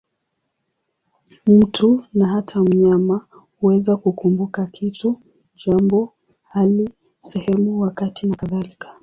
Mtu, na hata mnyama, huweza kukumbuka kitu, jambo, hali, sehemu, wakati nakadhalika.